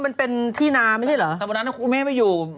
มันเป็นที่นาไม่ใช่เหรอแต่วันนั้นคุณแม่ไม่อยู่